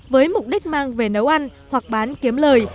với mục đích mang về nấu ăn hoặc bán kiếm lời